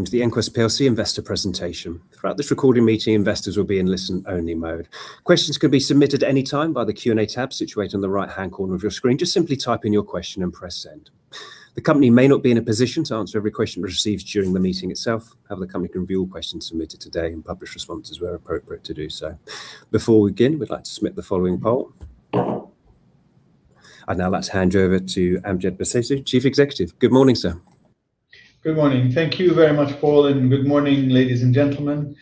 Welcome to the EnQuest PLC investor presentation. Throughout this recorded meeting, investors will be in listen-only mode. Questions can be submitted anytime by the Q&A tab situated on the right-hand corner of your screen. Just simply type in your question and press send. The company may not be in a position to answer every question received during the meeting itself. However, the company can review all questions submitted today and publish responses where appropriate to do so. Before we begin, we would like to submit the following poll. I would now like to hand over to Amjad Bseisu, Chief Executive. Good morning, sir. Good morning. Thank you very much, Paul, and good morning, ladies and gentlemen.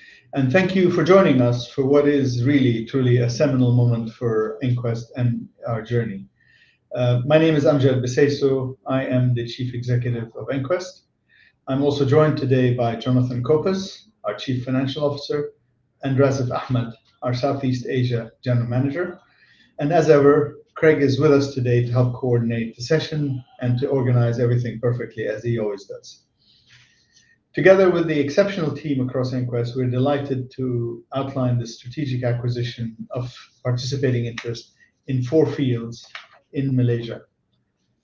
Thank you for joining us for what is really, truly a seminal moment for EnQuest and our journey. My name is Amjad Bseisu. I am the chief executive of EnQuest. I am also joined today by Jonathan Copus, our chief financial officer, and Radzif Ahmed, our Southeast Asia general manager. As ever, Craig is with us today to help coordinate the session and to organize everything perfectly as he always does. Together with the exceptional team across EnQuest, we are delighted to outline the strategic acquisition of participating interest in four fields in Malaysia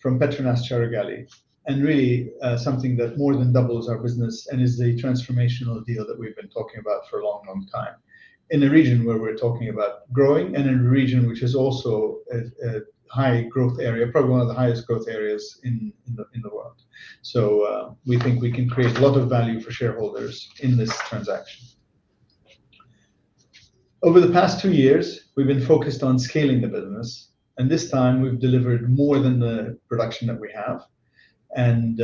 from Petronas Carigali, really something that more than doubles our business and is the transformational deal that we have been talking about for a long, long time in a region where we are talking about growing and in a region which is also a high growth area, probably one of the highest growth areas in the world. We think we can create a lot of value for shareholders in this transaction. Over the past two years, we have been focused on scaling the business, this time we have delivered more than the production that we have, and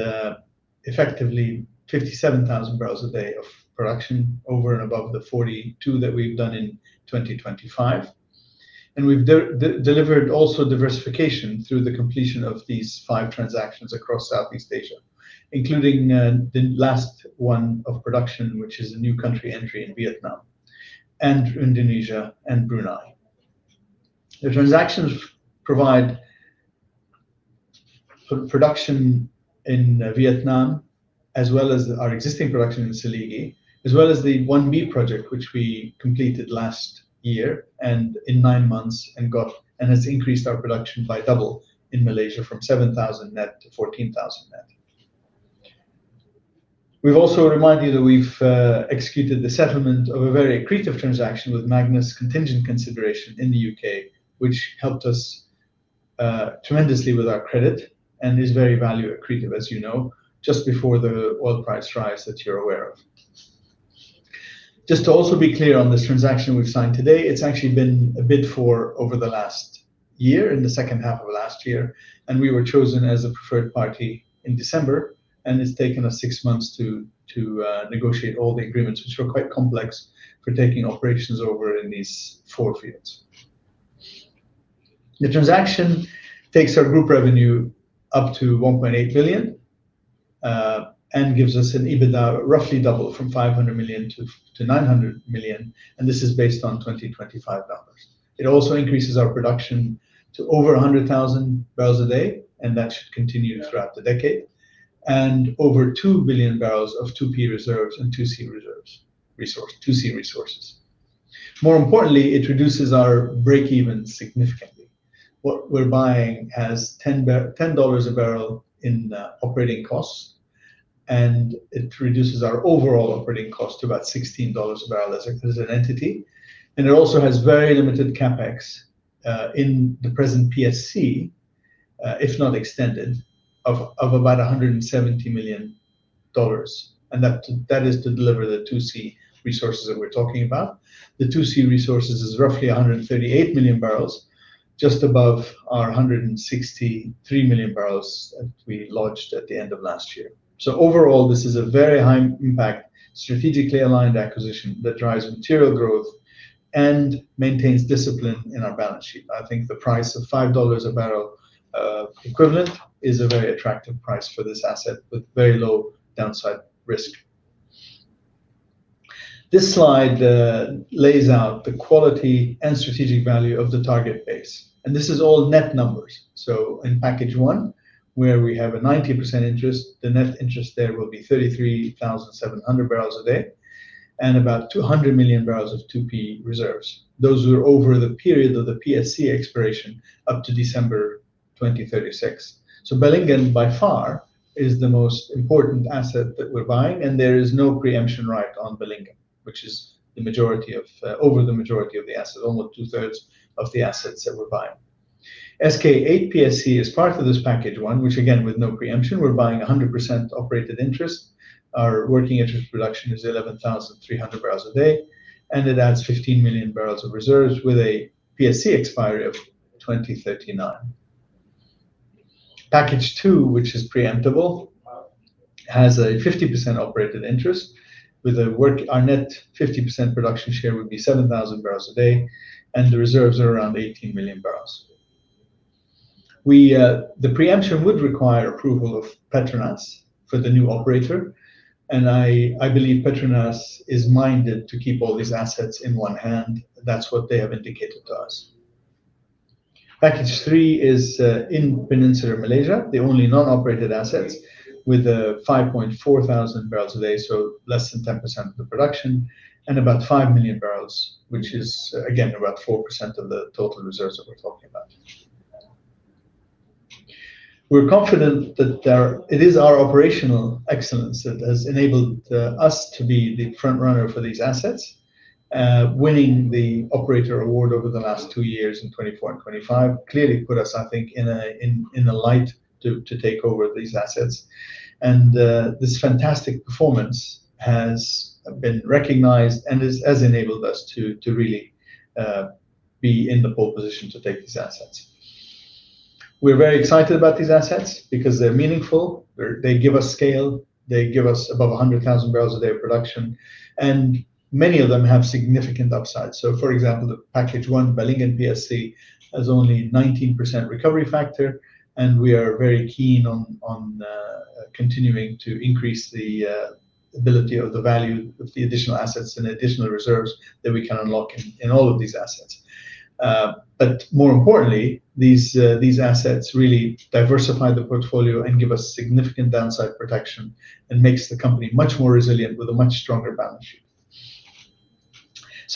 effectively 57,000 barrels a day of production over and above the 42 that we have done in 2025. We have delivered also diversification through the completion of these five transactions across Southeast Asia, including the last one of production, which is a new country entry in Vietnam, Indonesia, and Brunei. The transactions provide production in Vietnam, as well as our existing production in Seligi, as well as the One B project, which we completed last year and in nine months and has increased our production by double in Malaysia from 7,000 net to 14,000 net. We have also reminded you that we have executed the settlement of a very accretive transaction with Magnus contingent consideration in the U.K., which helped us tremendously with our credit and is very value accretive, as you know, just before the oil price rise that you are aware of. Just to also be clear on this transaction we've signed today, it's actually been a bid for over the last year, in the second half of last year, and we were chosen as a preferred party in December, and it's taken us six months to negotiate all the agreements, which were quite complex for taking operations over in these four fields. The transaction takes our group revenue up to $1.8 billion, and gives us an EBITDA roughly double from $500 million-$900 million, and this is based on 2025 dollars. It also increases our production to over 100,000 barrels a day, and that should continue throughout the decade, and over 2 billion barrels of 2P reserves and 2C resources. More importantly, it reduces our break-even significantly. What we're buying has $10 a barrel in operating costs, and it also has very limited CapEx, in the present PSC, if not extended, of about $170 million. It reduces our overall operating cost to about $16 a barrel as an entity. That is to deliver the 2C resources that we're talking about. The 2C resources is roughly 138 million barrels, just above our 163 million barrels that we lodged at the end of last year. Overall, this is a very high impact, strategically aligned acquisition that drives material growth and maintains discipline in our balance sheet. I think the price of $5 a barrel equivalent is a very attractive price for this asset with very low downside risk. This slide lays out the quality and strategic value of the target base, and this is all net numbers. In package one, where we have a 90% interest, the net interest there will be 33,700 barrels a day and about 200 million barrels of 2P reserves. Those are over the period of the PSC expiration up to December 2036. Balingian by far is the most important asset that we're buying, and there is no preemption right on Balingian, which is over the majority of the asset, almost two-thirds of the assets that we're buying. SK8 PSC is part of this package one, which again, with no preemption, we're buying 100% operated interest. Our working interest production is 11,300 barrels a day, and it adds 15 million barrels of reserves with a PSC expiry of 2039. Package two, which is preemptable, has a 50% operated interest with our net 50% production share would be 7,000 barrels a day, and the reserves are around 18 million barrels. The preemption would require approval of Petronas for the new operator, and I believe Petronas is minded to keep all these assets in one hand. That's what they have indicated to us. Package three is in Peninsular Malaysia, the only non-operated assets with 5.4 thousand barrels a day, so less than 10% of the production, and about 5 million barrels, which is again, about 4% of the total reserves that we're talking about. We're confident that it is our operational excellence that has enabled us to be the front runner for these assets. Winning the operator award over the last two years in 2024 and 2025, clearly put us, I think, in the light to take over these assets. This fantastic performance has been recognized and has enabled us to really be in the pole position to take these assets. We're very excited about these assets because they're meaningful. They give us scale, they give us above 100,000 barrels a day of production, many of them have significant upsides. For example, the Package 1 Balingian PSC has only 19% recovery factor, and we are very keen on continuing to increase the ability of the value of the additional assets and additional reserves that we can unlock in all of these assets. More importantly, these assets really diversify the portfolio and give us significant downside protection and makes the company much more resilient with a much stronger balance sheet.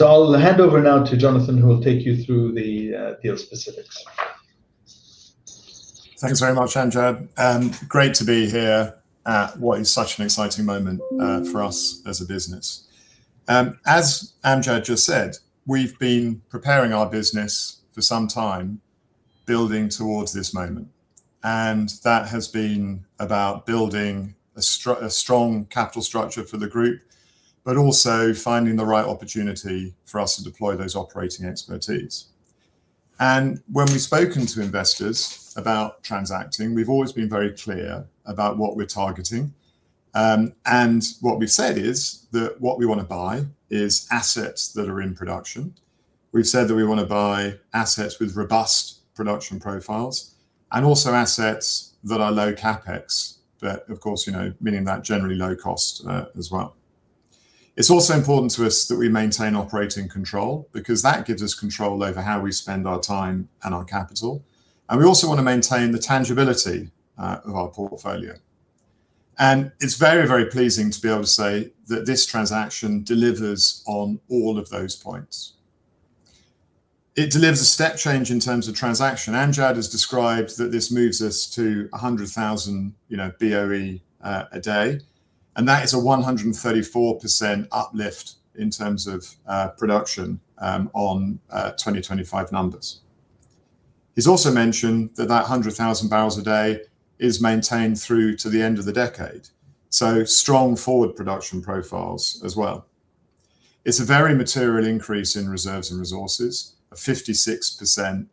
I'll hand over now to Jonathan, who will take you through the deal specifics. Thanks very much, Amjad. Great to be here at what is such an exciting moment for us as a business. As Amjad just said, we've been preparing our business for some time, building towards this moment, that has been about building a strong capital structure for the group, also finding the right opportunity for us to deploy those operating expertise. When we've spoken to investors about transacting, we've always been very clear about what we're targeting. What we've said is that what we want to buy is assets that are in production. We've said that we want to buy assets with robust production profiles and also assets that are low CapEx, but of course, meaning that generally low cost as well. It's also important to us that we maintain operating control because that gives us control over how we spend our time and our capital. We also want to maintain the tangibility of our portfolio. It's very, very pleasing to be able to say that this transaction delivers on all of those points. It delivers a step change in terms of transaction. Amjad has described that this moves us to 100,000 BOE a day, that is a 134% uplift in terms of production on 2025 numbers. He's also mentioned that that 100,000 barrels a day is maintained through to the end of the decade. Strong forward production profiles as well. It's a very material increase in reserves and resources, a 56%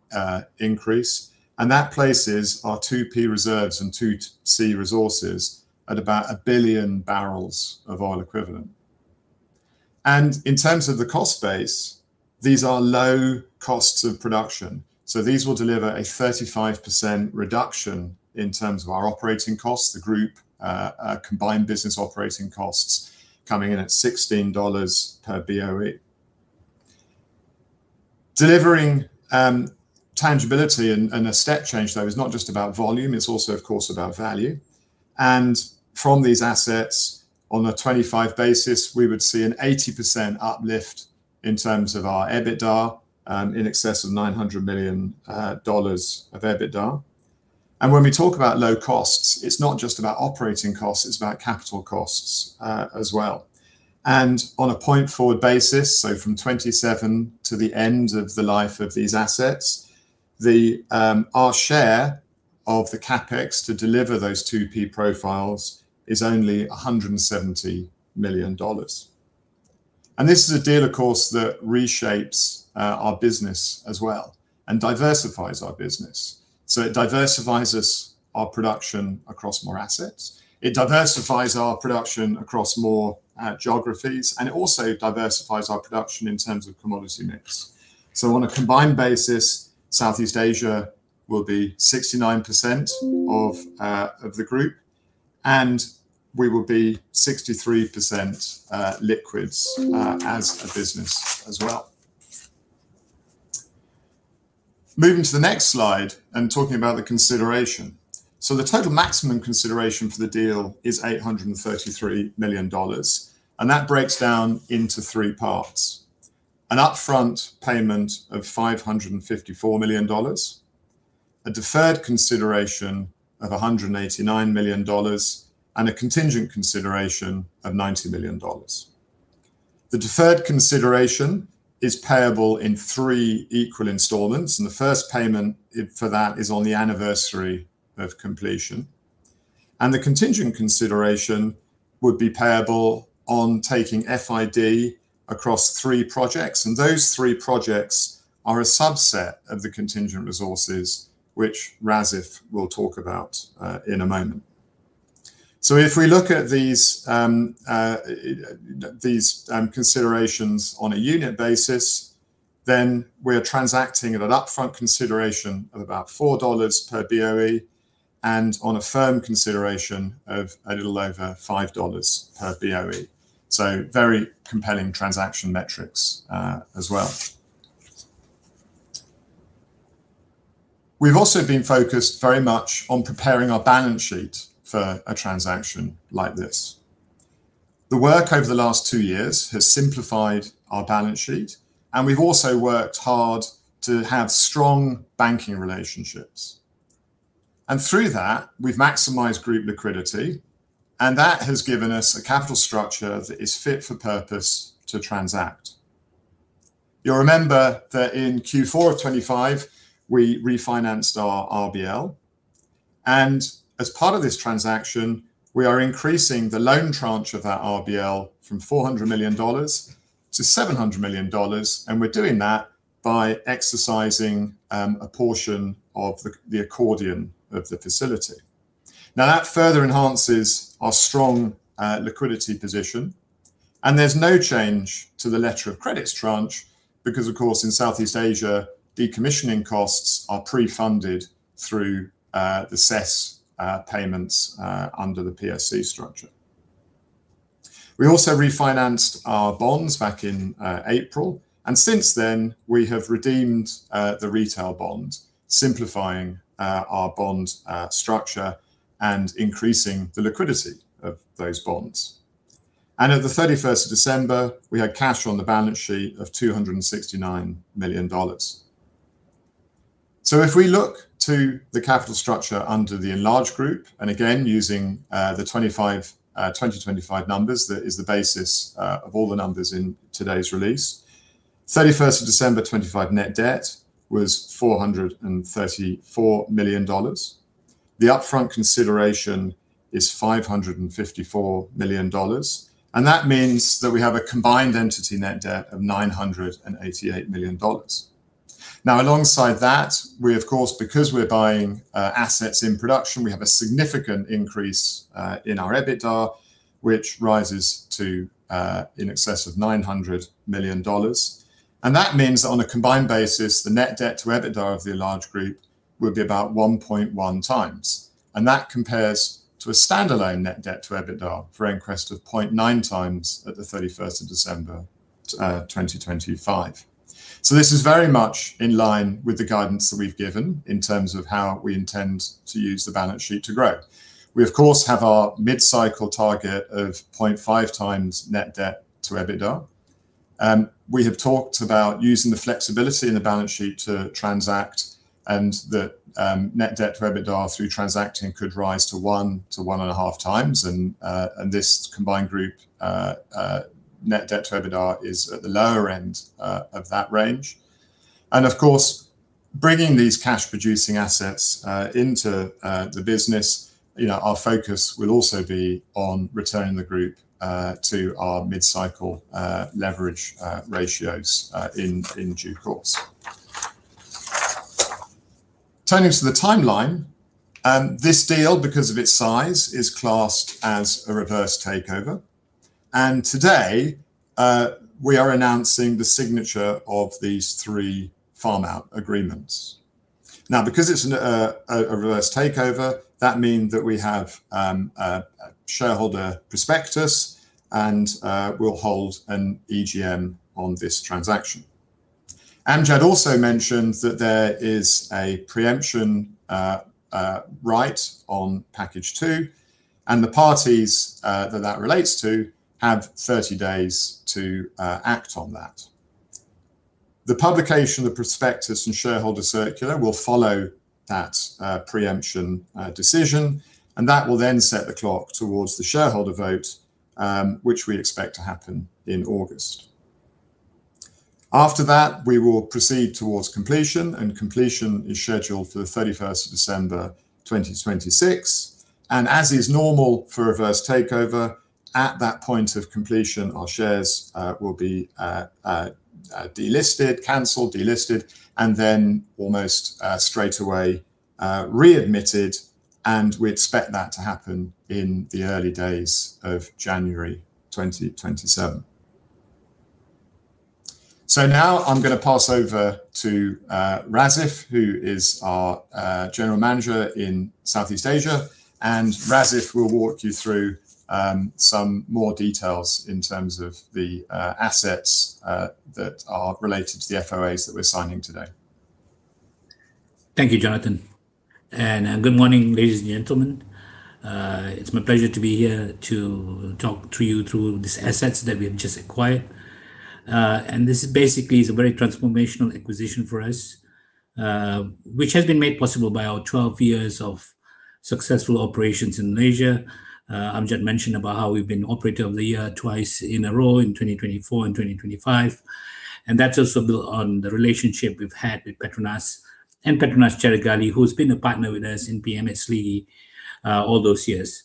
increase, that places our 2P reserves and 2C resources at about 1 billion barrels of oil equivalent. In terms of the cost base, these are low costs of production. These will deliver a 35% reduction in terms of our operating costs, the group combined business operating costs coming in at $16 per BOE. Delivering tangibility and a step change, though, is not just about volume, it's also, of course, about value. From these assets, on a 2025 basis, we would see an 80% uplift in terms of our EBITDA, in excess of $900 million of EBITDA. When we talk about low costs, it's not just about operating costs, it's about capital costs as well. On a point-forward basis, from 2027 to the end of the life of these assets, our share of the CapEx to deliver those 2P profiles is only $170 million. This is a deal, of course, that reshapes our business as well and diversifies our business. It diversifies our production across more assets. It diversifies our production across more geographies. It also diversifies our production in terms of commodity mix. On a combined basis, Southeast Asia will be 69% of the group, and we will be 63% liquids as a business as well. Moving to the next slide. Talking about the consideration. The total maximum consideration for the deal is $833 million, and that breaks down into three parts. An upfront payment of $554 million, a deferred consideration of $189 million, and a contingent consideration of $90 million. The deferred consideration is payable in three equal installments, and the first payment for that is on the anniversary of completion. The contingent consideration would be payable on taking FID across three projects, and those three projects are a subset of the contingent resources, which Radzif will talk about in a moment. If we look at these considerations on a unit basis, we are transacting at an upfront consideration of about $4 per BOE, and on a firm consideration of a little over $5 per BOE. Very compelling transaction metrics as well. We've also been focused very much on preparing our balance sheet for a transaction like this. The work over the last two years has simplified our balance sheet, and we've also worked hard to have strong banking relationships. Through that, we've maximized group liquidity, and that has given us a capital structure that is fit for purpose to transact. You'll remember that in Q4 of 2025, we refinanced our RBL. As part of this transaction, we are increasing the loan tranche of that RBL from $400 million-$700 million. We're doing that by exercising a portion of the accordion of the facility. That further enhances our strong liquidity position, and there's no change to the letter of credits tranche because, of course, in Southeast Asia, decommissioning costs are pre-funded through the cess payments under the PSC structure. We also refinanced our bonds back in April, and since then, we have redeemed the retail bond, simplifying our bond structure and increasing the liquidity of those bonds. At the 31st of December, we had cash on the balance sheet of $269 million. If we look to the capital structure under the enlarged group, and again, using the 2025 numbers, that is the basis of all the numbers in today's release. 31st of December 2025 net debt was $434 million. The upfront consideration is $554 million, and that means that we have a combined entity net debt of $988 million. Alongside that, we of course, because we're buying assets in production, we have a significant increase in our EBITDA, which rises to in excess of $900 million. That means that on a combined basis, the net debt to EBITDA of the enlarged group would be about 1.1 times. That compares to a stand-alone net debt to EBITDA for EnQuest of 0.9 times at the 31st of December 2025. This is very much in line with the guidance that we've given in terms of how we intend to use the balance sheet to grow. We, of course, have our mid-cycle target of 0.5 times net debt to EBITDA. We have talked about using the flexibility in the balance sheet to transact and that net debt to EBITDA through transacting could rise to 1 to 1.5 times. This combined group, net debt to EBITDA, is at the lower end of that range. Of course, bringing these cash-producing assets into the business, our focus will also be on returning the group to our mid-cycle leverage ratios in due course. Turning to the timeline. This deal, because of its size, is classed as a reverse takeover. Today, we are announcing the signature of these three farm-out agreements. Because it's a reverse takeover, that means that we have a shareholder prospectus and we'll hold an EGM on this transaction. Amjad also mentioned that there is a preemption right on package two, and the parties that that relates to have 30 days to act on that. The publication of the prospectus and shareholder circular will follow that preemption decision, that will then set the clock towards the shareholder vote, which we expect to happen in August. After that, we will proceed towards completion is scheduled for the 31st of December 2026. As is normal for a reverse takeover, at that point of completion, our shares will be delisted, canceled, delisted, then almost straightaway readmitted, we expect that to happen in the early days of January 2027. Now I'm going to pass over to Radzif, who is our General Manager in Southeast Asia, Radzif will walk you through some more details in terms of the assets that are related to the FOAs that we're signing today. Thank you, Jonathan. Good morning, ladies and gentlemen. It's my pleasure to be here to talk to you through these assets that we have just acquired. This basically is a very transformational acquisition for us, which has been made possible by our 12 years of successful operations in Malaysia. Amjad mentioned about how we've been operative of the year twice in a row in 2024 and 2025, that's also built on the relationship we've had with Petronas and Petronas Carigali, who's been a partner with us in PM8/Seligi all those years.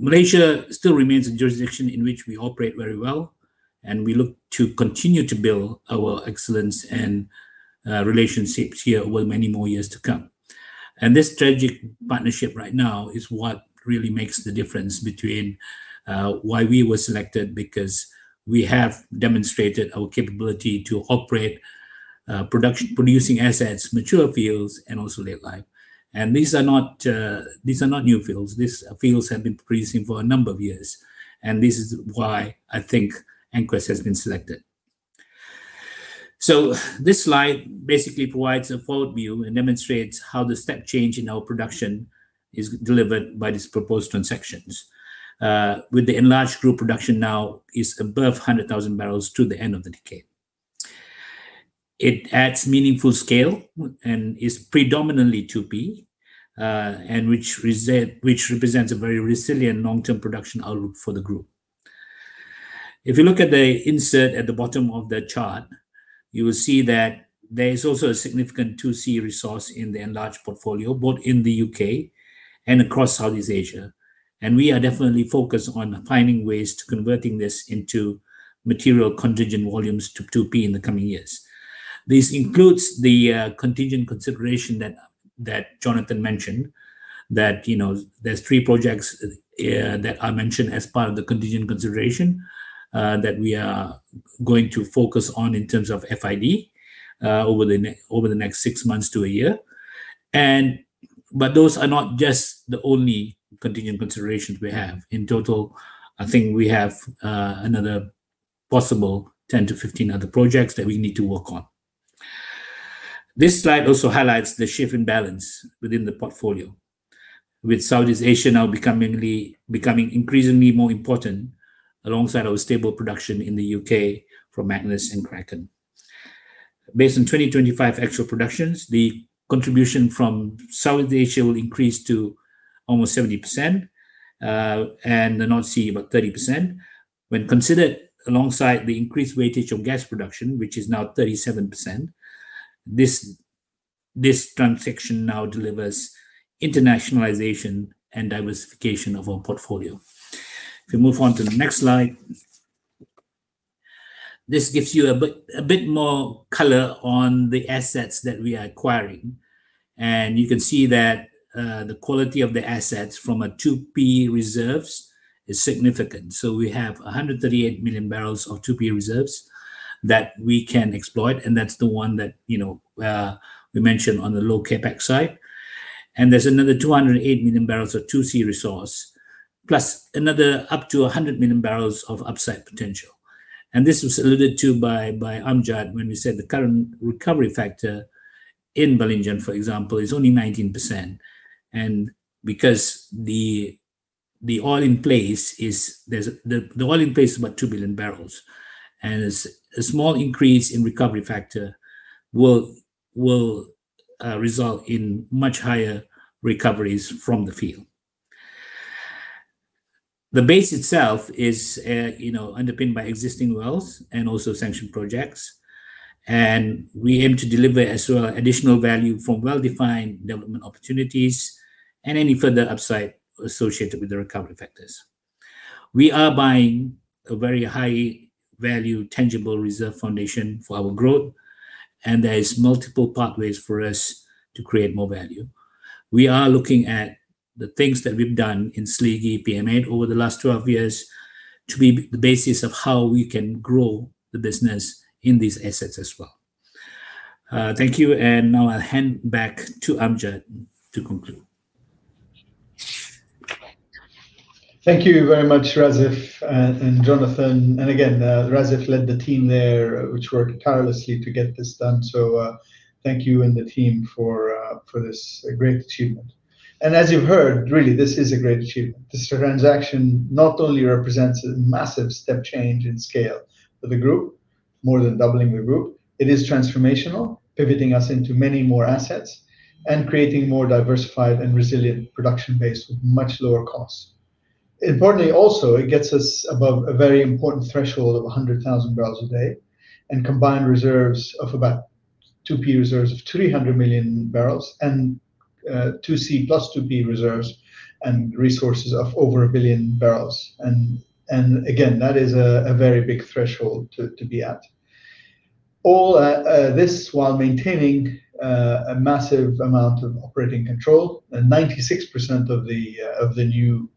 Malaysia still remains a jurisdiction in which we operate very well, we look to continue to build our excellence and relationships here over many more years to come. This strategic partnership right now is what really makes the difference between why we were selected, because we have demonstrated our capability to operate producing assets, mature fields, also late life. These are not new fields. These fields have been producing for a number of years, this is why I think EnQuest has been selected. This slide basically provides a forward view and demonstrates how the step change in our production is delivered by these proposed transactions. With the enlarged group production now is above 100,000 barrels to the end of the decade. It adds meaningful scale and is predominantly 2P, which represents a very resilient long-term production outlook for the group. If you look at the insert at the bottom of the chart, you will see that there is also a significant 2C resource in the enlarged portfolio, both in the U.K. and across Southeast Asia, and we are definitely focused on finding ways to converting this into material contingent volumes to 2P in the coming years. This includes the contingent consideration that Jonathan mentioned, that there's three projects that are mentioned as part of the contingent consideration that we are going to focus on in terms of FID over the next six months to a year. Those are not just the only contingent considerations we have. In total, I think we have another possible 10-15 other projects that we need to work on. This slide also highlights the shift in balance within the portfolio, with Southeast Asia now becoming increasingly more important alongside our stable production in the U.K. from Magnus and Kraken. Based on 2025 actual productions, the contribution from Southeast Asia will increase to almost 70%, and the North Sea about 30%. When considered alongside the increased weightage of gas production, which is now 37%, this transaction now delivers internationalization and diversification of our portfolio. If you move on to the next slide, this gives you a bit more color on the assets that we are acquiring, and you can see that the quality of the assets from a 2P reserves is significant. We have 138 million barrels of 2P reserves that we can exploit, and that's the one that we mentioned on the low CapEx side. There's another 208 million barrels of 2C resource, plus another up to 100 million barrels of upside potential. This was alluded to by Amjad when we said the current recovery factor in Balingian, for example, is only 19%. Because the oil in place is about 2 billion barrels, a small increase in recovery factor will result in much higher recoveries from the field. The base itself is underpinned by existing wells and also sanctioned projects, and we aim to deliver as well additional value from well-defined development opportunities and any further upside associated with the recovery factors. We are buying a very high-value tangible reserve foundation for our growth, and there is multiple pathways for us to create more value. We are looking at the things that we've done in Seligi PM8 over the last 12 years to be the basis of how we can grow the business in these assets as well. Thank you, and now I'll hand back to Amjad to conclude. Thank you very much, Radzif and Jonathan. Again, Radzif led the team there, which worked tirelessly to get this done. Thank you and the team for this great achievement. As you've heard, really, this is a great achievement. This transaction not only represents a massive step change in scale for the group, more than doubling the group. It is transformational, pivoting us into many more assets and creating more diversified and resilient production base with much lower costs. Importantly, also, it gets us above a very important threshold of 100,000 barrels a day and combined reserves of about 2P reserves of 300 million barrels and 2C plus 2P reserves and resources of over 1 billion barrels. Again, that is a very big threshold to be at. All this while maintaining a massive amount of operating control, and 96% of the new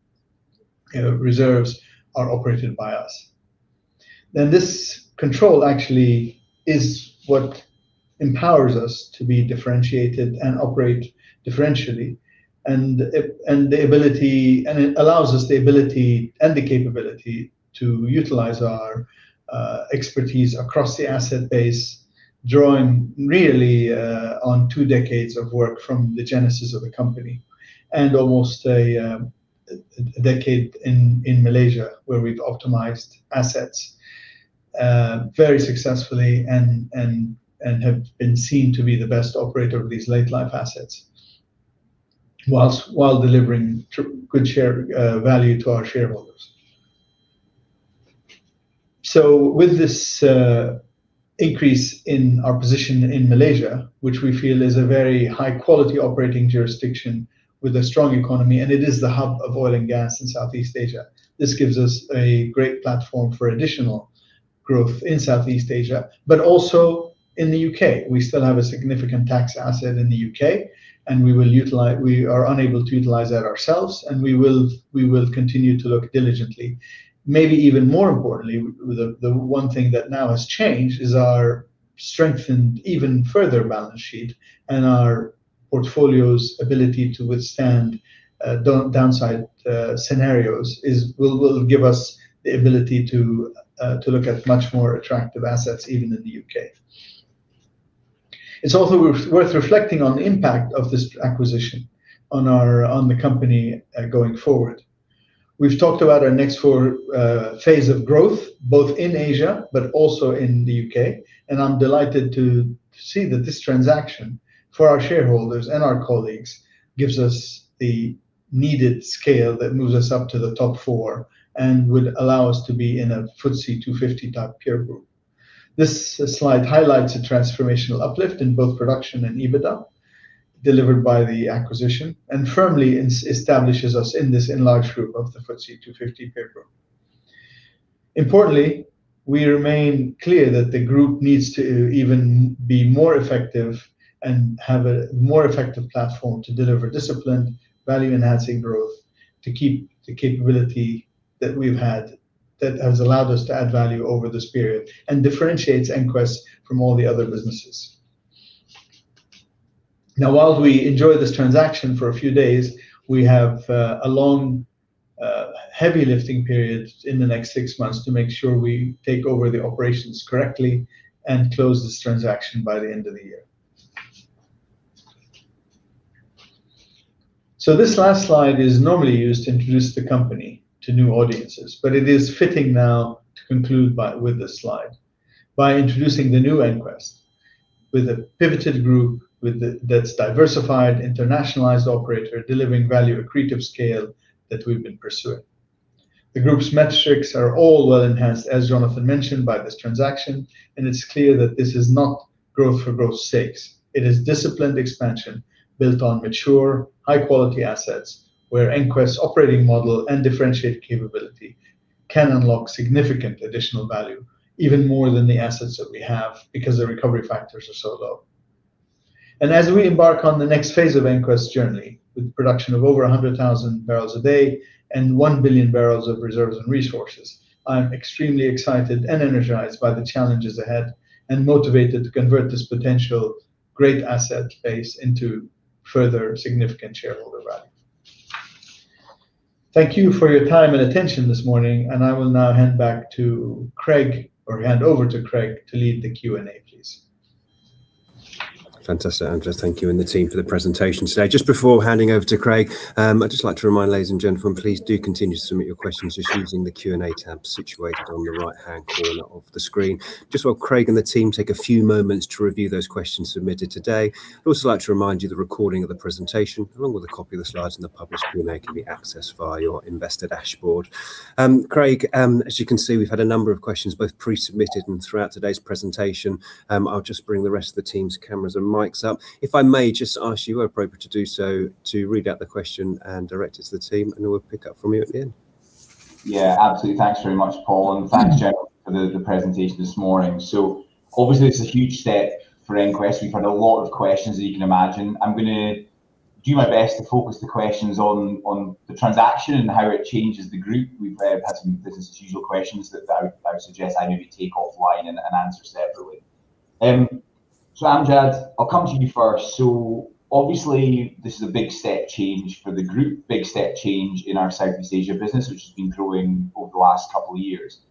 reserves are operated by us. This control actually is what empowers us to be differentiated and operate differentially. It allows us the ability and the capability to utilize our expertise across the asset base, drawing really on two decades of work from the genesis of the company. Almost one decade in Malaysia, where we've optimized assets very successfully and have been seen to be the best operator of these late life assets whilst delivering good value to our shareholders. With this increase in our position in Malaysia, which we feel is a very high-quality operating jurisdiction with a strong economy, and it is the hub of oil and gas in Southeast Asia. This gives us a great platform for additional growth in Southeast Asia, but also in the U.K. We still have a significant tax asset in the U.K., and we are unable to utilize that ourselves. We will continue to look diligently. Maybe even more importantly, the one thing that now has changed is our strengthened even further balance sheet and our portfolio's ability to withstand downside scenarios will give us the ability to look at much more attractive assets, even in the U.K. It's also worth reflecting on the impact of this acquisition on the company going forward. We've talked about our next phase of growth, both in Asia but also in the U.K., and I'm delighted to see that this transaction for our shareholders and our colleagues gives us the needed scale that moves us up to the top 4 and would allow us to be in a FTSE 250 type peer group. This slide highlights a transformational uplift in both production and EBITDA delivered by the acquisition and firmly establishes us in this enlarged group of the FTSE 250 peer group. Importantly, we remain clear that the group needs to even be more effective and have a more effective platform to deliver disciplined, value-enhancing growth to keep the capability that we've had that has allowed us to add value over this period and differentiates EnQuest from all the other businesses. While we enjoy this transaction for a few days, we have a long heavy lifting period in the next 6 months to make sure we take over the operations correctly and close this transaction by the end of the year. This last slide is normally used to introduce the company to new audiences, but it is fitting now to conclude with this slide by introducing the new EnQuest with a pivoted group that's diversified, internationalized operator, delivering value, accretive scale that we've been pursuing. The group's metrics are all well enhanced, as Jonathan mentioned, by this transaction, and it's clear that this is not growth for growth's sake. It is disciplined expansion built on mature, high-quality assets where EnQuest operating model and differentiated capability can unlock significant additional value, even more than the assets that we have because the recovery factors are so low. As we embark on the next phase of EnQuest's journey with production of over 100,000 barrels a day and 1 billion barrels of reserves and resources, I am extremely excited and energized by the challenges ahead and motivated to convert this potential great asset base into further significant shareholder value. Thank you for your time and attention this morning, and I will now hand over to Craig to lead the Q&A, please. Fantastic, Amjad. Thank you and the team for the presentation today. Just before handing over to Craig, I'd just like to remind ladies and gentlemen, please do continue to submit your questions just using the Q&A tab situated on the right-hand corner of the screen. Just while Craig and the team take a few moments to review those questions submitted today, I'd also like to remind you the recording of the presentation, along with a copy of the slides and the published Q&A, can be accessed via your investor dashboard. Craig, as you can see, we've had a number of questions both pre-submitted and throughout today's presentation. I'll just bring the rest of the team's cameras and mics up. If I may just ask you, where appropriate to do so, to read out the question and direct it to the team, and we'll pick up from you at the end. Absolutely. Thanks very much, Paul, and thanks, gentlemen, for the presentation this morning. Obviously it's a huge step for EnQuest. We've had a lot of questions that you can imagine. I'm going to do my best to focus the questions on the transaction and how it changes the group. We've had some business as usual questions that I would suggest I maybe take offline and answer separately. Amjad, I'll come to you first. Obviously this is a big step change for the group, big step change in our Southeast Asia business, which has been growing over the last couple of years.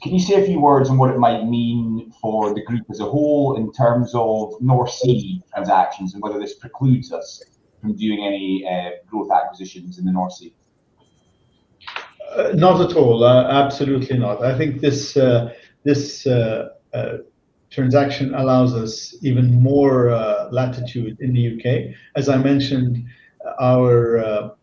Can you say a few words on what it might mean for the group as a whole in terms of North Sea transactions and whether this precludes us from doing any growth acquisitions in the North Sea? Not at all. Absolutely not. I think this transaction allows us even more latitude in the U.K. As I mentioned, our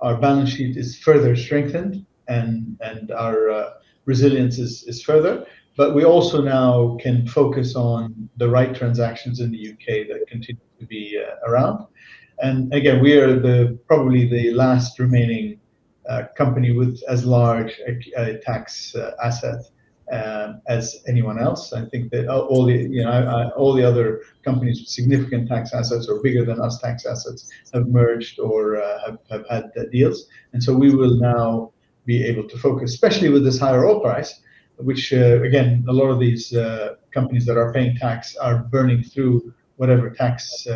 balance sheet is further strengthened and our resilience is further, we also now can focus on the right transactions in the U.K. that continue to be around. Again, we are probably the last remaining company with as large a tax asset as anyone else. I think that all the other companies with significant tax assets or bigger than us tax assets have merged or have had deals. So we will now be able to focus, especially with this higher oil price, which, again, a lot of these companies that are paying tax are burning through whatever tax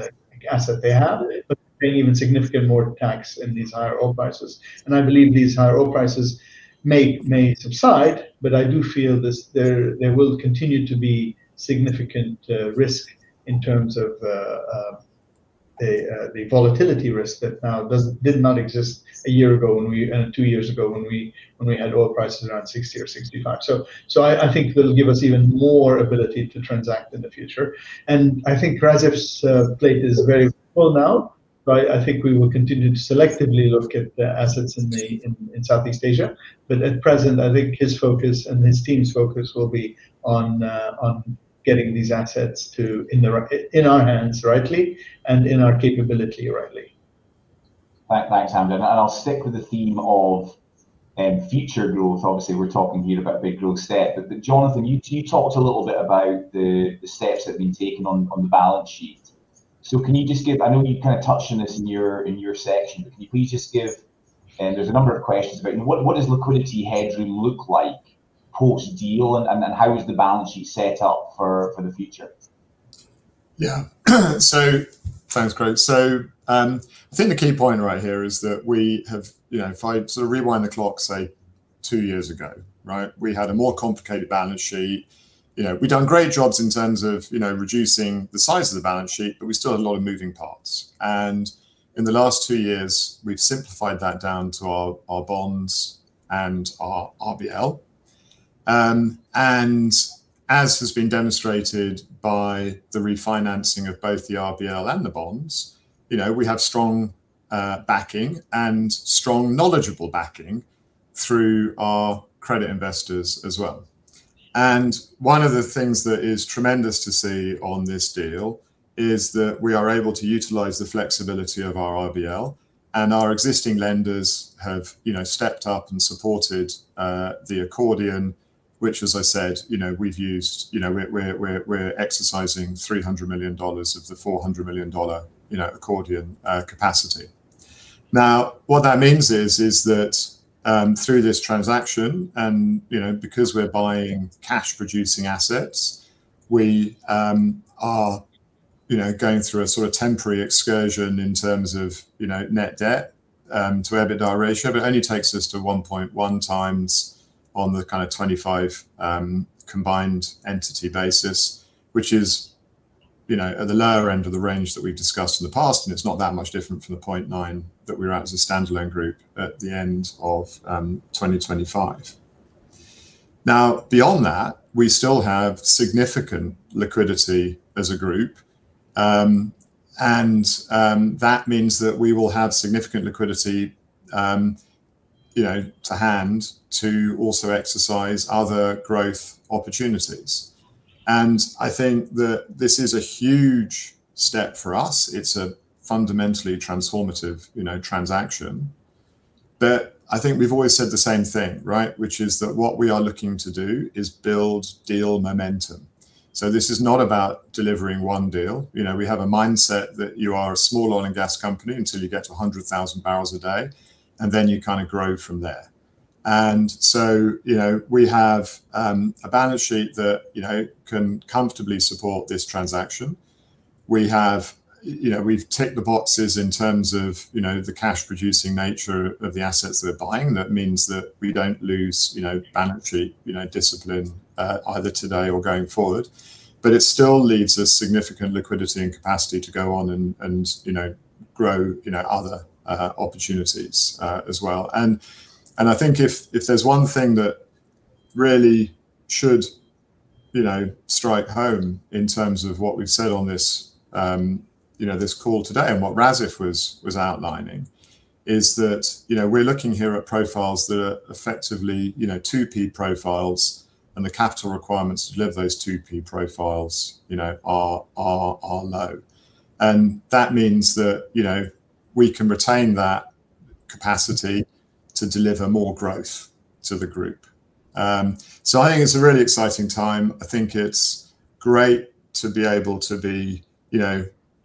asset they have, but paying even significant more tax in these higher oil prices. I believe these higher oil prices may subside, but I do feel there will continue to be significant risk in terms of the volatility risk that did not exist a year ago when we and two years ago when we had oil prices around 60 or 65. I think that'll give us even more ability to transact in the future. I think Radzif's plate is very full now. I think we will continue to selectively look at the assets in Southeast Asia. At present, I think his focus and his team's focus will be on getting these assets in our hands rightly and in our capability rightly. Thanks, Amjad. I'll stick with the theme of future growth. Obviously, we're talking here about big growth step. Jonathan, you talked a little bit about the steps that have been taken on the balance sheet. Can you just give, I know you kind of touched on this in your section, but there's a number of questions about what does liquidity headroom look like post-deal, and then how is the balance sheet set up for the future? Yeah. Thanks, Craig. I think the key point right here is that if I sort of rewind the clock, say, two years ago, right, we had a more complicated balance sheet. We'd done great jobs in terms of reducing the size of the balance sheet, but we still had a lot of moving parts. In the last two years, we've simplified that down to our bonds and our RBL. As has been demonstrated by the refinancing of both the RBL and the bonds, we have strong backing and strong knowledgeable backing through our credit investors as well. One of the things that is tremendous to see on this deal is that we are able to utilize the flexibility of our RBL, and our existing lenders have stepped up and supported the accordion, which, as I said, we're exercising $300 million of the $400 million accordion capacity. What that means is that through this transaction, and because we're buying cash-producing assets, we are going through a sort of temporary excursion in terms of net debt to EBITDA ratio. It only takes us to 1.1 times on the kind of 25 combined entity basis, which is at the lower end of the range that we've discussed in the past, and it's not that much different from the 0.9 that we were at as a standalone group at the end of 2025. Beyond that, we still have significant liquidity as a group. That means that we will have significant liquidity to hand to also exercise other growth opportunities. I think that this is a huge step for us. It's a fundamentally transformative transaction. I think we've always said the same thing, right? Which is that what we are looking to do is build deal momentum. This is not about delivering one deal. We have a mindset that you are a small oil and gas company until you get to 100,000 barrels a day, and then you kind of grow from there. We have a balance sheet that can comfortably support this transaction. We've ticked the boxes in terms of the cash-producing nature of the assets that we're buying. That means that we don't lose balance sheet discipline, either today or going forward. It still leaves us significant liquidity and capacity to go on and grow other opportunities as well. I think if there's one thing that really should strike home in terms of what we've said on this call today, and what Radzif was outlining, is that we're looking here at profiles that are effectively 2P profiles, and the capital requirements to deliver those 2P profiles are low. That means that we can retain that capacity to deliver more growth to the group. I think it's a really exciting time. I think it's great to be able to be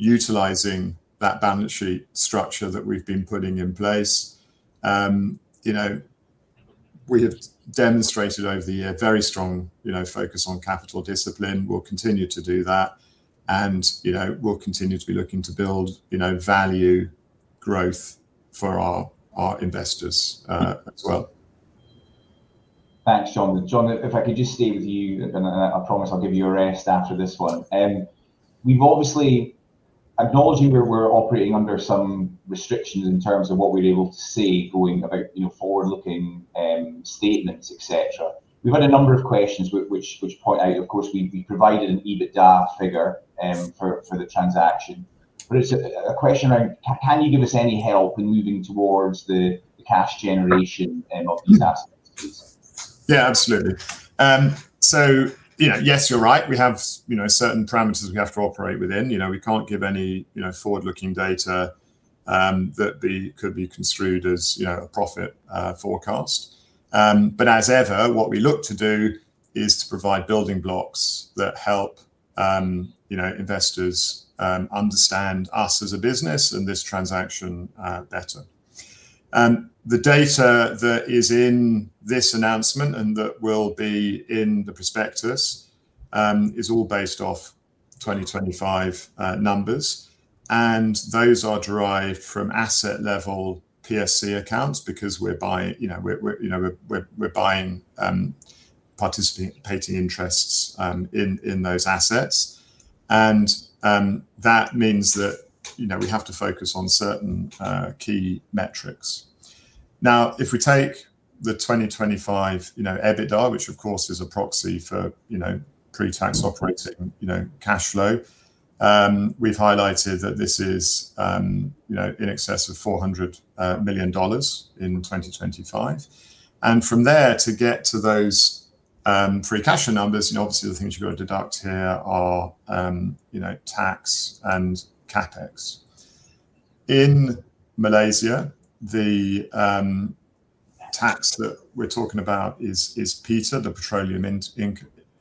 utilizing that balance sheet structure that we've been putting in place. We have demonstrated over the year very strong focus on capital discipline. We'll continue to do that, and we'll continue to be looking to build value growth for our investors as well. Thanks, Jon. Jon, if I could just stay with you, then I promise I'll give you a rest after this one. We've obviously acknowledged here we're operating under some restrictions in terms of what we're able to say going about forward-looking statements, et cetera. We've had a number of questions which point out, of course, we provided an EBITDA figure for the transaction, but it's a question around can you give us any help in moving towards the cash generation of these assets? Yeah, absolutely. Yes, you're right. We have certain parameters we have to operate within. We can't give any forward-looking data that could be construed as a profit forecast. As ever, what we look to do is to provide building blocks that help investors understand us as a business and this transaction better. The data that is in this announcement and that will be in the prospectus is all based off 2025 numbers. Those are derived from asset-level PSC accounts because we're buying participating paying interests in those assets. That means that we have to focus on certain key metrics. Now, if we take the 2025 EBITDA, which of course is a proxy for pre-tax operating cash flow, we've highlighted that this is in excess of $400 million in 2025. From there, to get to those free cash flow numbers, obviously the things you've got to deduct here are tax and CapEx. In Malaysia, the tax that we're talking about is PITA, the Petroleum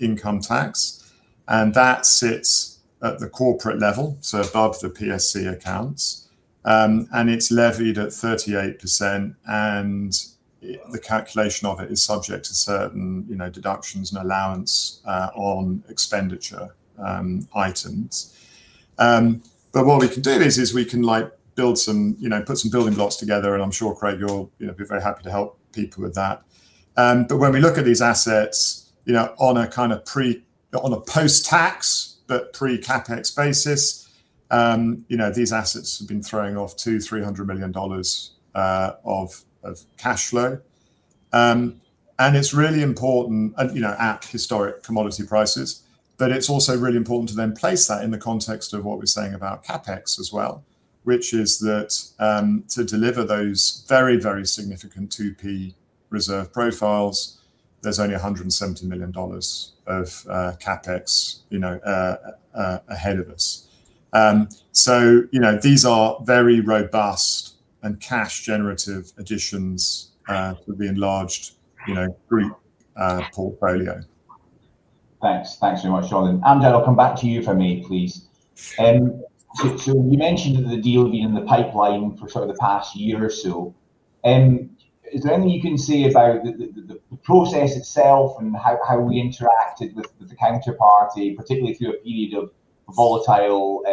Income Tax, and that sits at the corporate level, so above the PSC accounts. It's levied at 38%, and the calculation of it is subject to certain deductions and allowance on expenditure items. What we can do is, we can put some building blocks together, and I'm sure, Craig, you'll be very happy to help people with that. When we look at these assets on a post-tax but pre-CapEx basis, these assets have been throwing off $200 million-$300 million of cash flow. It's really important at historic commodity prices, it's also really important to then place that in the context of what we're saying about CapEx as well, which is that to deliver those very, very significant 2P reserve profiles, there's only $170 million of CapEx ahead of us. These are very robust and cash-generative additions to the enlarged group portfolio. Thanks. Thanks very much, Jonathan. Amjad, I'll come back to you, if I may, please. You mentioned the deal being in the pipeline for the past year or so. Is there anything you can say about the process itself and how we interacted with the counterparty, particularly through a period of volatile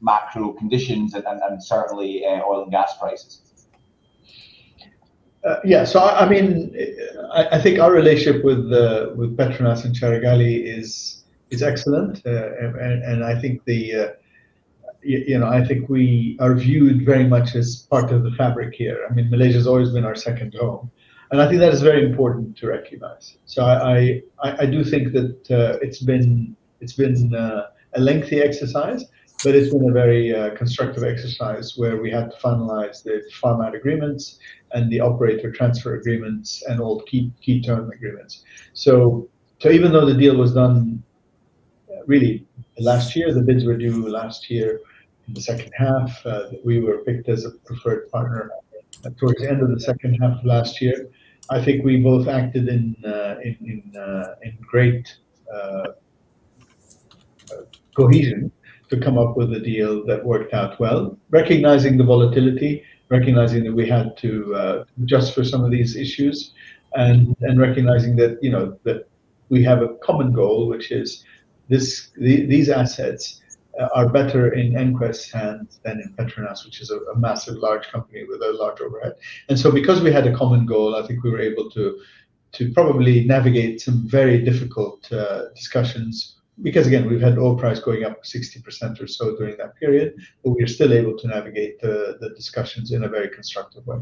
macro conditions and certainly oil and gas prices? Yeah. I think our relationship with Petronas and Carigali is excellent. I think we are viewed very much as part of the fabric here. Malaysia's always been our second home, and I think that is very important to recognize. I do think that it's been a lengthy exercise, but it's been a very constructive exercise where we had to finalize the farm-out agreements and the operator transfer agreements and all key term agreements. Even though the deal was done really last year, the bids were due last year in the second half, we were picked as a preferred partner towards the end of the second half of last year. I think we both acted in great cohesion to come up with a deal that worked out well, recognizing the volatility, recognizing that we had to adjust for some of these issues, and recognizing that we have a common goal, which is these assets are better in EnQuest's hands than in Petronas, which is a massive, large company with a large overhead. Because we had a common goal, I think we were able to probably navigate some very difficult discussions because, again, we've had oil price going up 60% or so during that period, but we were still able to navigate the discussions in a very constructive way.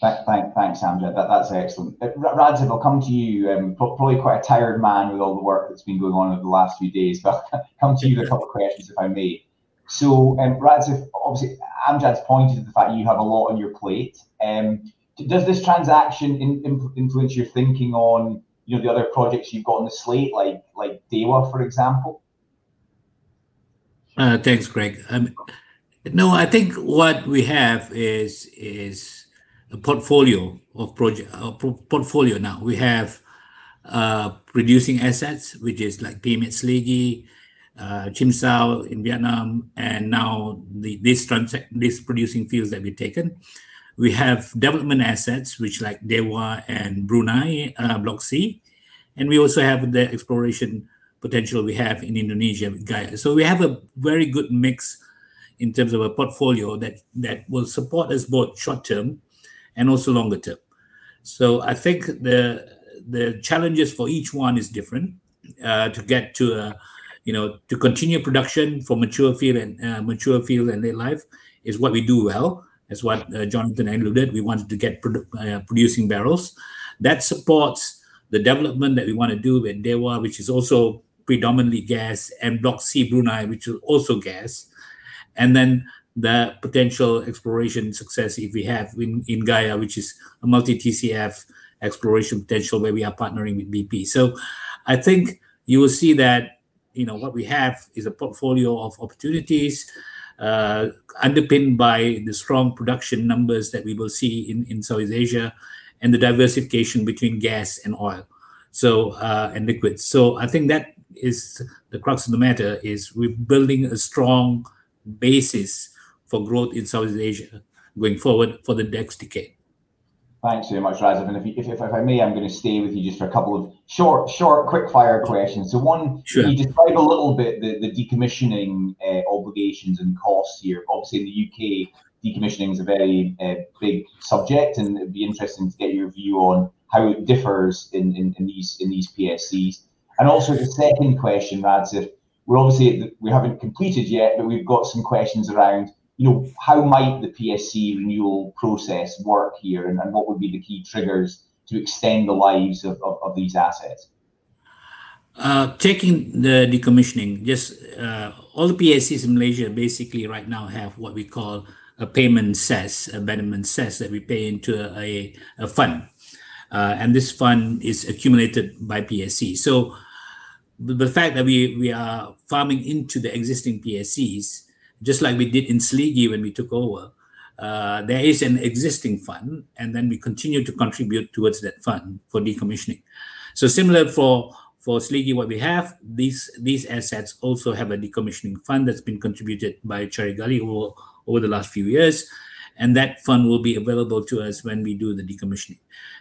Thanks, Amjad. That's excellent. Radzif, I'll come to you. Probably quite a tired man with all the work that's been going on over the last few days, I'll come to you with a couple questions, if I may. Radzif, obviously Amjad's pointed at the fact that you have a lot on your plate. Does this transaction influence your thinking on the other projects you've got on the slate, like DEWA, for example? Thanks, Craig. I think what we have is a portfolio now. We have producing assets, which is like PM8, Seligi, Chim Sáo in Vietnam, and now these producing fields that we've taken. We have development assets which like DEWA and Brunei Block C. We also have the exploration potential we have in Indonesia with Gaya. We have a very good mix in terms of a portfolio that will support us both short term and also longer term. I think the challenges for each one is different. To continue production for mature fields and late life is what we do well. It's what Jonathan alluded. We wanted to get producing barrels. That supports the development that we want to do with DEWA, which is also predominantly gas, and Block C Brunei, which is also gas. The potential exploration success if we have in Gaya, which is a multi-TCF exploration potential where we are partnering with BP. I think you will see that what we have is a portfolio of opportunities underpinned by the strong production numbers that we will see in Southeast Asia and the diversification between gas and oil, and liquids. I think that is the crux of the matter, is we're building a strong basis for growth in Southeast Asia going forward for the next decade. Thanks very much, Radzif. If I may, I'm going to stay with you just for a couple of short, quick-fire questions. Sure Can you describe a little bit the decommissioning obligations and costs here? Obviously in the U.K., decommissioning is a very big subject, and it'd be interesting to get your view on how it differs in these PSCs. Also the second question, Radziff, we haven't completed yet, but we've got some questions around how might the PSC renewal process work here and what would be the key triggers to extend the lives of these assets? Taking the decommissioning, yes. All the PSCs in Malaysia basically right now have what we call a payment cess, a abandonment cess that we pay into a fund. This fund is accumulated by PSC. The fact that we are farming into the existing PSCs, just like we did in Seligi when we took over, there is an existing fund, we continue to contribute towards that fund for decommissioning. Similar for Seligi, what we have, these assets also have a decommissioning fund that's been contributed by Carigali over the last few years, and that fund will be available to us when we do the decommissioning.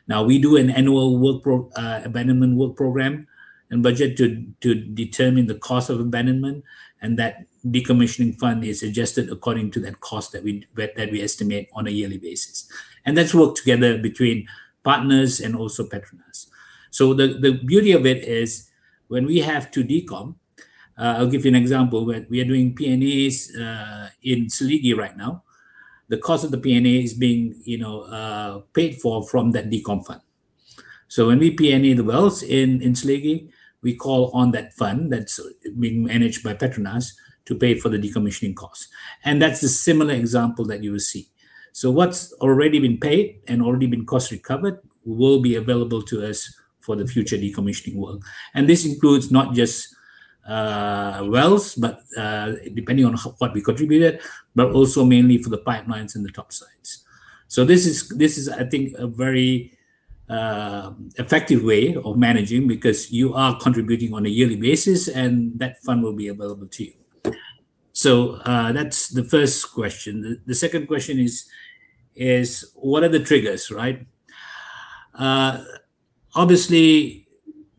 Now, we do an annual abandonment work program and budget to determine the cost of abandonment, and that decommissioning fund is adjusted according to that cost that we estimate on a yearly basis. That's worked together between partners and also Petronas. The beauty of it is when we have to decom, I'll give you an example. We are doing P&As in Seligi right now. The cost of the P&A is being paid for from that decom fund. When we P&A the wells in Seligi, we call on that fund that's being managed by Petronas to pay for the decommissioning cost. That's a similar example that you will see. What's already been paid and already been cost recovered will be available to us for the future decommissioning work. This includes not just wells, but depending on what we contributed, but also mainly for the pipelines and the topsides. This is, I think, a very effective way of managing because you are contributing on a yearly basis, and that fund will be available to you. That's the first question. The second question is what are the triggers, right? Obviously,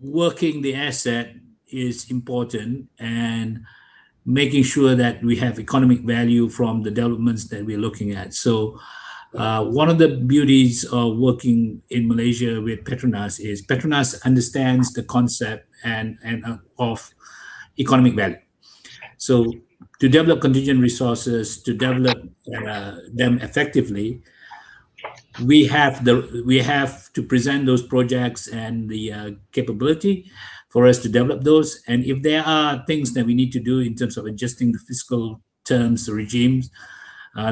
working the asset is important and making sure that we have economic value from the developments that we're looking at. One of the beauties of working in Malaysia with Petronas is Petronas understands the concept of economic value. To develop contingent resources, to develop them effectively, we have to present those projects and the capability for us to develop those. If there are things that we need to do in terms of adjusting the fiscal terms, the regimes,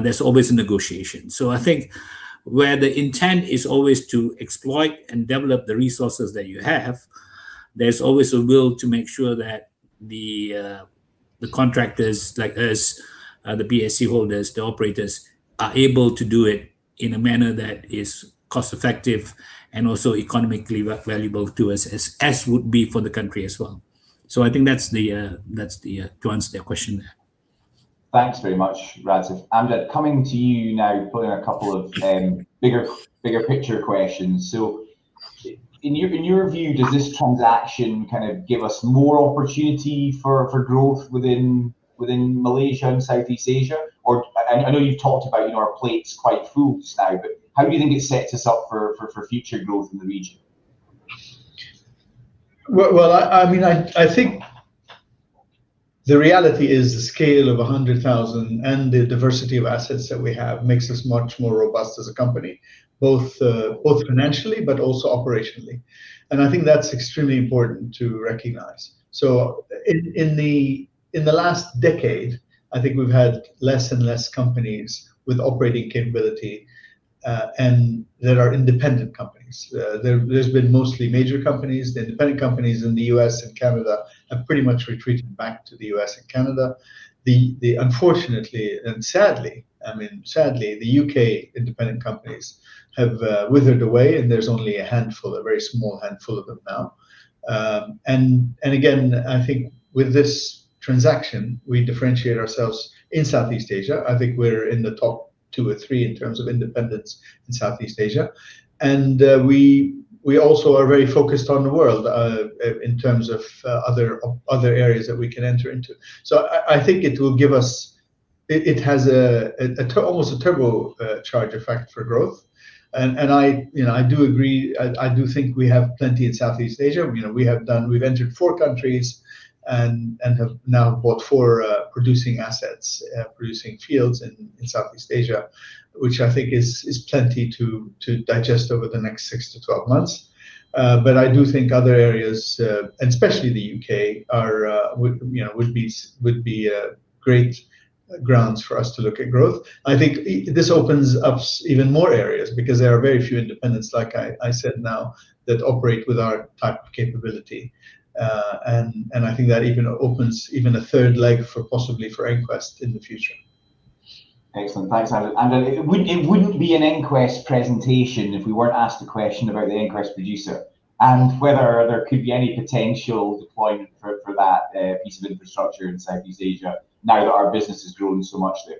there's always a negotiation. I think where the intent is always to exploit and develop the resources that you have, there's always a will to make sure that the contractors like us, the PSC holders, the operators, are able to do it in a manner that is cost-effective and also economically valuable to us, as would be for the country as well. I think that's to answer your question there. Thanks very much, Radzif. Amjad, coming to you now, put in a couple of bigger picture questions. In your view, does this transaction kind of give us more opportunity for growth within Malaysia and Southeast Asia? I know you've talked about our plate's quite full just now, but how do you think it sets us up for future growth in the region? Well, I think the reality is the scale of 100,000 and the diversity of assets that we have makes us much more robust as a company, both financially but also operationally. I think that's extremely important to recognize. In the last decade, I think we've had less and less companies with operating capability, and that are independent companies. There's been mostly major companies. The independent companies in the U.S. and Canada have pretty much retreated back to the U.S. and Canada. Unfortunately and sadly, the U.K. independent companies have withered away, and there's only a handful, a very small handful of them now. Again, I think with this transaction, we differentiate ourselves in Southeast Asia. I think we're in the top two or three in terms of independents in Southeast Asia. We also are very focused on the world in terms of other areas that we can enter into. I think it has almost a turbocharge effect for growth. I do agree, I do think we have plenty in Southeast Asia. We've entered four countries and have now bought four producing assets, producing fields in Southeast Asia, which I think is plenty to digest over the next six to 12 months. I do think other areas, and especially the U.K., would be great grounds for us to look at growth. I think this opens up even more areas because there are very few independents, like I said, now, that operate with our type of capability. I think that even opens even a third leg possibly for EnQuest in the future. Excellent. Thanks, Amjad. It wouldn't be an EnQuest presentation if we weren't asked a question about the EnQuest Producer and whether there could be any potential deployment for that piece of infrastructure in Southeast Asia now that our business has grown so much there.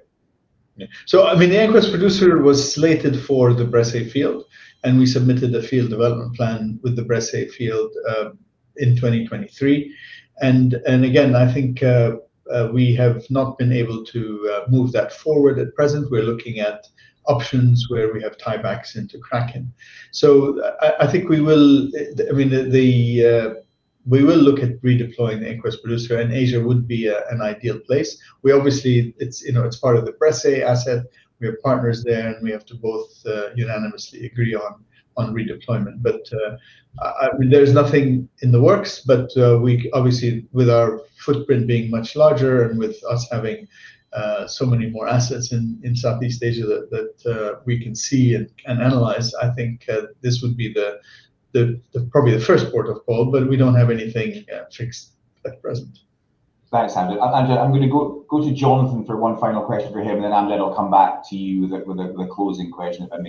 Yeah. The EnQuest Producer was slated for the Bressay field, and we submitted the field development plan with the Bressay field in 2023. Again, I think we have not been able to move that forward at present. We're looking at options where we have tie-backs into Kraken. I think we will look at redeploying the EnQuest Producer, and Asia would be an ideal place. It's part of the Bressay asset. We have partners there, and we have to both unanimously agree on redeployment. There is nothing in the works, but obviously with our footprint being much larger and with us having so many more assets in Southeast Asia that we can see and analyze, I think this would be Probably the first port of call, but we don't have anything fixed at present. Thanks, Amjad. Amjad, I'm going to go to Jonathan for one final question for him, and then Amjad, I'll come back to you with the closing question, if I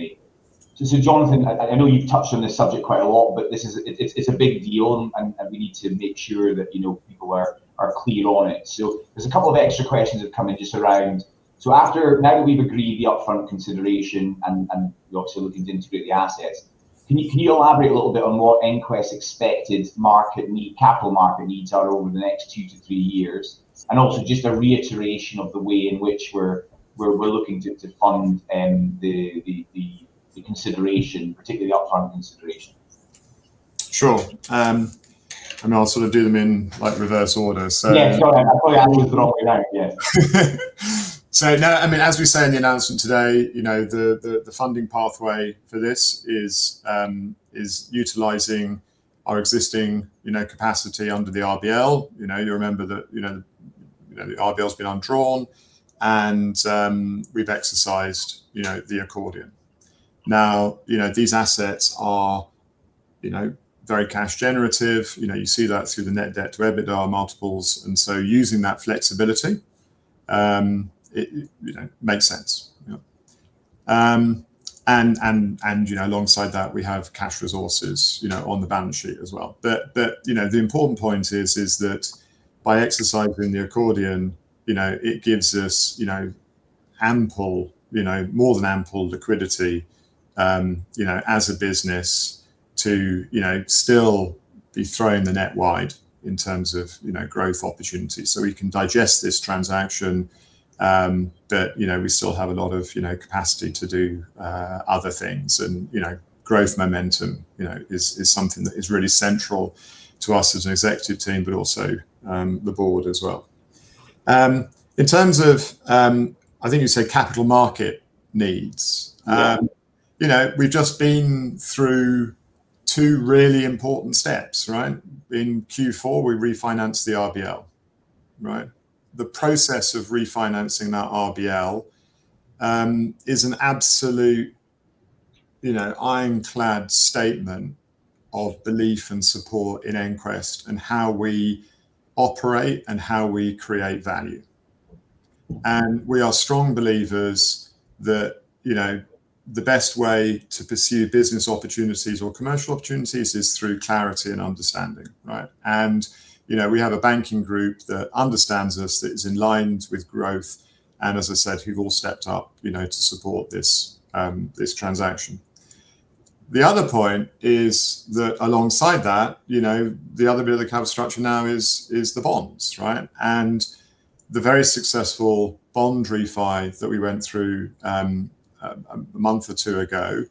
may. Jonathan, I know you've touched on this subject quite a lot, but it's a big deal, and we need to make sure that people are clear on it. There's a couple of extra questions that have come in just around, so now that we've agreed the upfront consideration and we're obviously looking to integrate the assets, can you elaborate a little bit on what EnQuest expected capital market needs are over the next two to three years? And also, just a reiteration of the way in which we're looking to fund the consideration, particularly the upfront consideration. Sure. I mean, I'll sort of do them in reverse order. Yeah, go ahead. I probably asked it the wrong way around. Yeah. No, as we say in the announcement today, the funding pathway for this is utilizing our existing capacity under the RBL. You remember that the RBL's been undrawn and we've exercised the accordion. Now, these assets are very cash generative. You see that through the net debt to EBITDA multiples, using that flexibility, it makes sense. Yep. Alongside that, we have cash resources on the balance sheet as well. The important point is by exercising the accordion, it gives us more than ample liquidity as a business to still be throwing the net wide in terms of growth opportunities. We can digest this transaction, but we still have a lot of capacity to do other things, and growth momentum is something that is really central to us as an executive team, but also the board as well. I think you say capital market needs. Yeah. We've just been through two really important steps. In Q4, we refinanced the RBL. The process of refinancing that RBL is an absolute ironclad statement of belief and support in EnQuest and how we operate and how we create value. We are strong believers that the best way to pursue business opportunities or commercial opportunities is through clarity and understanding. We have a banking group that understands us, that is aligned with growth, and as I said, who've all stepped up to support this transaction. The other point is that alongside that, the other bit of the capital structure now is the bonds. The very successful bond refi that we went through a month or two ago,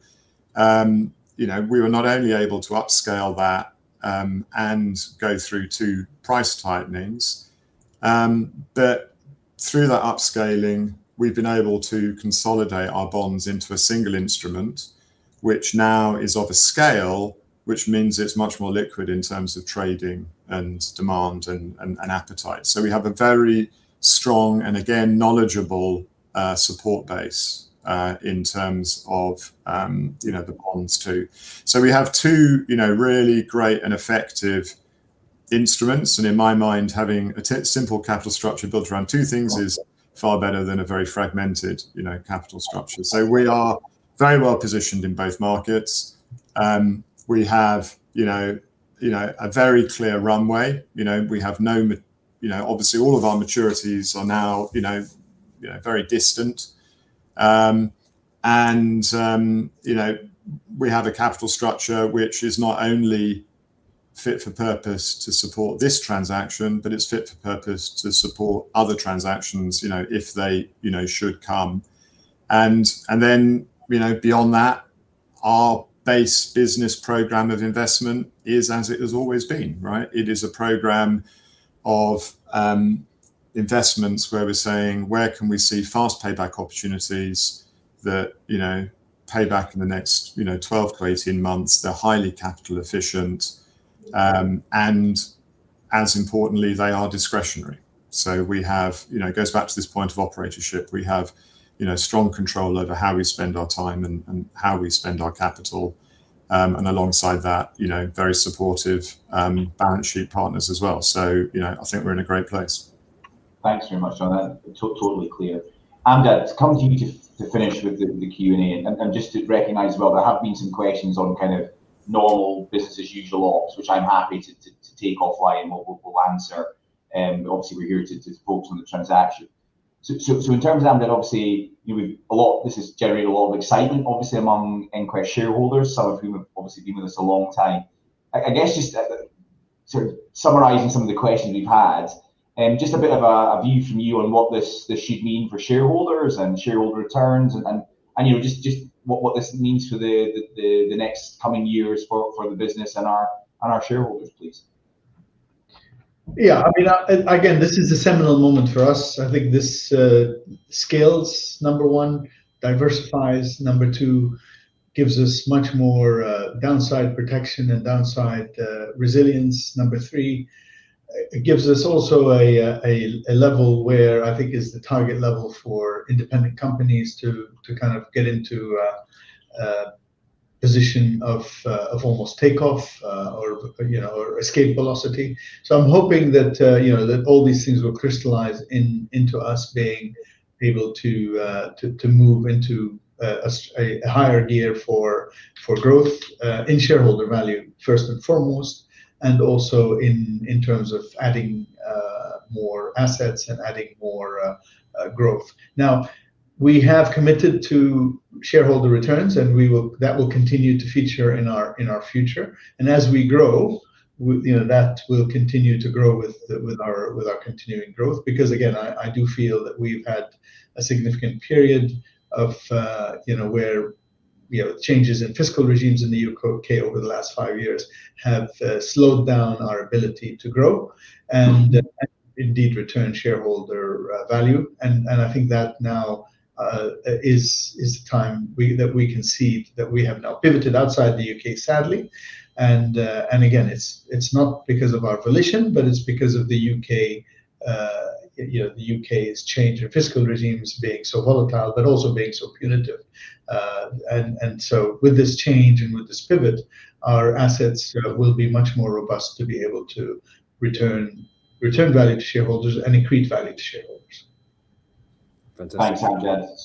we were not only able to upscale that and go through two price tightenings, but through that upscaling, we've been able to consolidate our bonds into a single instrument, which now is of a scale, which means it's much more liquid in terms of trading and demand and appetite. We have a very strong, and again, knowledgeable support base in terms of the bonds, too. We have two really great and effective instruments, and in my mind, having a simple capital structure built around two things is far better than a very fragmented capital structure. We are very well positioned in both markets. We have a very clear runway. Obviously, all of our maturities are now very distant. We have a capital structure which is not only fit for purpose to support this transaction, but it's fit for purpose to support other transactions if they should come. Beyond that, our base business program of investment is as it has always been. It is a program of investments where we're saying, "Where can we see fast payback opportunities that pay back in the next 12 to 18 months? They're highly capital efficient," and as importantly, they are discretionary. It goes back to this point of operatorship. We have strong control over how we spend our time and how we spend our capital, and alongside that, very supportive balance sheet partners as well. I think we're in a great place. Thanks very much, Jonathan. Totally clear. Amjad, come to you to finish with the Q&A, and just to recognize as well, there have been some questions on kind of normal business as usual ops, which I'm happy to take offline and we'll answer. Obviously, we're here to focus on the transaction. In terms of that, Amjad, obviously, this has generated a lot of excitement, obviously, among EnQuest shareholders, some of whom have obviously been with us a long time. I guess just sort of summarizing some of the questions we've had, just a bit of a view from you on what this should mean for shareholders and shareholder returns and just what this means for the next coming years for the business and our shareholders, please. Yeah. I mean, again, this is a seminal moment for us. I think this scales, number one, diversifies, number two, gives us much more downside protection and downside resilience, number three. It gives us also a level where I think is the target level for independent companies to get into a position of almost takeoff or escape velocity. I'm hoping that all these things will crystallize into us being able to move into a higher gear for growth, in shareholder value first and foremost, and also in terms of adding more assets and adding more growth. We have committed to shareholder returns, and that will continue to feature in our future. As we grow, that will continue to grow with our continuing growth. Again, I do feel that we've had a significant period of where changes in fiscal regimes in the U.K. over the last five years have slowed down our ability to grow and indeed return shareholder value. I think that now is the time that we can see that we have now pivoted outside the U.K., sadly. Again, it's not because of our volition, but it's because of the U.K.'s change of fiscal regimes being so volatile, but also being so punitive. With this change and with this pivot, our assets will be much more robust to be able to return value to shareholders and increase value to shareholders. Fantastic. Thanks,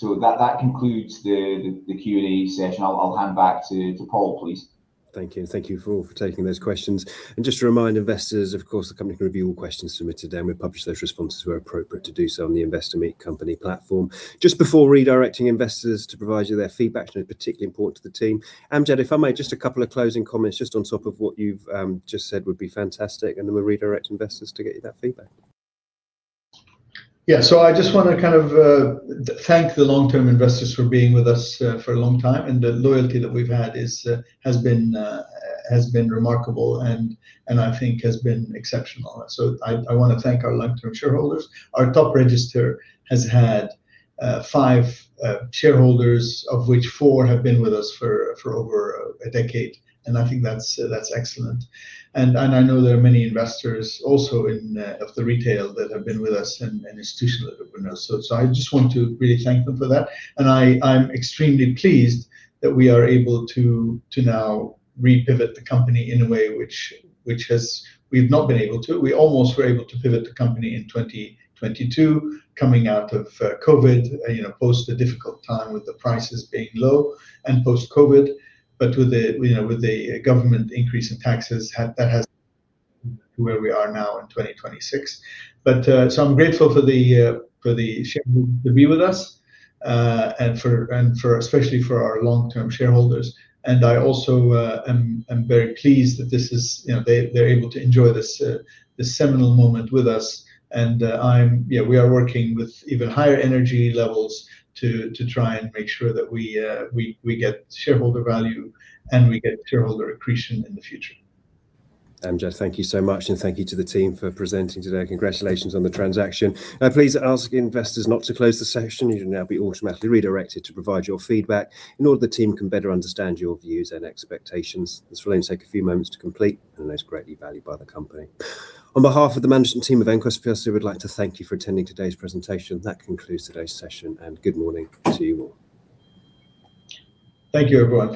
Amjad. That concludes the Q&A session. I'll hand back to Paul, please. Thank you. Thank you for all for taking those questions. Just to remind investors, of course, the company can review all questions submitted, and we'll publish those responses where appropriate to do so on the Investor Meet Company platform. Just before redirecting investors to provide you their feedback, which is particularly important to the team, Amjad, if I may, just a couple of closing comments just on top of what you've just said would be fantastic, and then we'll redirect investors to get you that feedback. I just want to kind of thank the long-term investors for being with us for a long time, the loyalty that we've had has been remarkable and I think has been exceptional. I want to thank our long-term shareholders. Our top register has had five shareholders, of which four have been with us for over a decade, and I think that's excellent. I know there are many investors also of the retail that have been with us and institutional that have been with us, I just want to really thank them for that. I'm extremely pleased that we are able to now re-pivot the company in a way which we've not been able to. We almost were able to pivot the company in 2022, coming out of COVID, post the difficult time with the prices being low and post-COVID. With the government increase in taxes, that has where we are now in 2026. I'm grateful for the share holding to be with us, especially for our long-term shareholders, I also am very pleased that they're able to enjoy this seminal moment with us. We are working with even higher energy levels to try and make sure that we get shareholder value and we get shareholder accretion in the future. Amjad, thank you so much, thank you to the team for presenting today. Congratulations on the transaction. Please ask investors not to close the session. You will now be automatically redirected to provide your feedback in order that the team can better understand your views and expectations. This will only take a few moments to complete and is greatly valued by the company. On behalf of the management team of EnQuest PLC, we'd like to thank you for attending today's presentation. That concludes today's session, good morning to you all. Thank you, everyone.